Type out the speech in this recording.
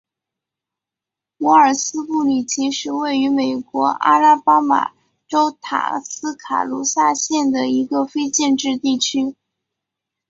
摩尔斯布里奇是位于美国阿拉巴马州塔斯卡卢萨县的一个非建制地区。